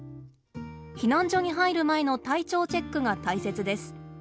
避難所に入る前の体調チェックが大切です。